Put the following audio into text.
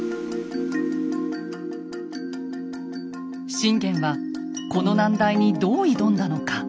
信玄はこの難題にどう挑んだのか。